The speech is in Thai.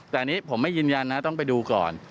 แต่อันนี้ผมไม่ยืนยันนะต้องไปดูก่อน